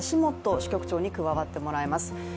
支局長に加わってもらいます。